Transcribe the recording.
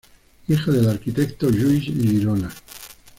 Hija del arquitecto Lluis Girona.